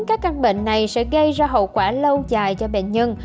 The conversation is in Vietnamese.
các căn bệnh này sẽ gây ra hậu quả lâu dài cho bệnh nhân